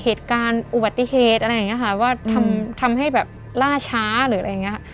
เหตุการณ์อุบัติเหตุอะไรอย่างนี้ค่ะว่าทำให้แบบล่าช้าหรืออะไรอย่างเงี้ย